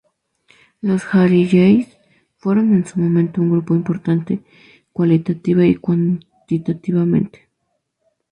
Los jariyíes fueron en su momento un grupo importante cualitativa y cuantitativamente.